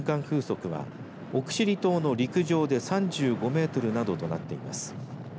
風速は奥尻島の陸上で３５メートルなどとなっています。